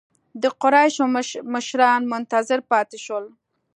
د قریشو مشران منتظر پاتې شول.